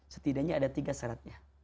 setidaknya ada tiga syaratnya